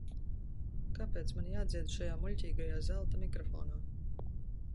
Kāpēc man jādzied šajā muļķīgajā zelta mikrofonā?